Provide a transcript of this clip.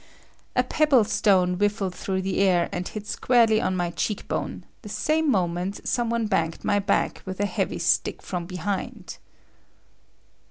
A pebble stone whiffled through the air and hit squarely on my cheek bone; the same moment some one banged my back with a heavy stick from behind.